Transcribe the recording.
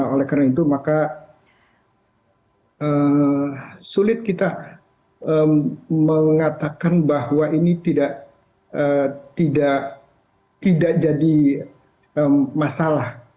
oleh karena itu maka sulit kita mengatakan bahwa ini tidak jadi masalah